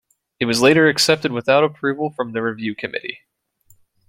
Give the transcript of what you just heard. It was later accepted without approval from the review committee.